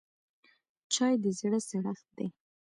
چای د زړه سړښت دی